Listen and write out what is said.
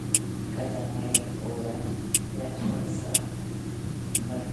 که دانا يې اور له خپله سره مړ کړه.